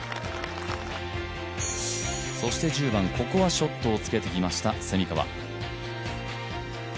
１０番、ここはショットをつけてきました、蝉川。